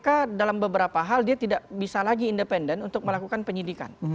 karena kpk dalam beberapa hal dia tidak bisa lagi independen untuk melakukan penyidikan